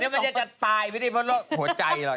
ไม่ใช่จะตายไม่ได้เพราะหัวใจหรอก